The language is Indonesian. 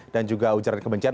dan juga ujaran kebencian